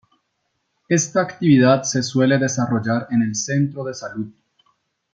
Esta actividad se suele desarrollar en el centro de salud.